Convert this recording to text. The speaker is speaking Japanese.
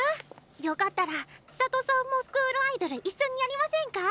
よかったら千砂都さんもスクールアイドル一緒にやりませんか？